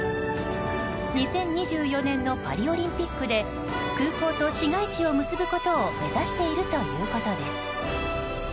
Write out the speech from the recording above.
２０２４年のパリオリンピックで空港と市街地を結ぶことを目指しているということです。